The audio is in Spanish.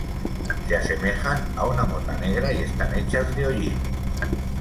Se asemejan a una mota negra y están hechos de hollín.